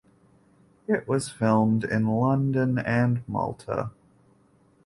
It was filmed in London and Malta.